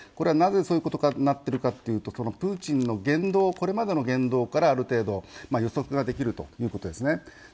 なぜそうなっているかというとプーチンのこれまでの言動からある程度、予測ができるということですね。